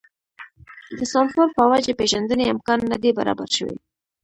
د سانسور په وجه پېژندنې امکان نه دی برابر شوی.